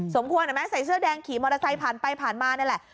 สมควรเห็นไหมใส่เสื้อแดงขี่มอเตอร์ไซค์ผ่านไปผ่านมานี่แหละ